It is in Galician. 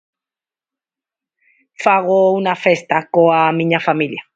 Fago unha festa coa miña familia.